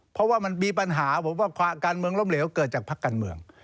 เพราะว่ามันมีปัญหาผมว่าการเมืองล้มเหลวเกิดจากภาคการเมือง